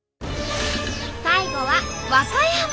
最後は和歌山。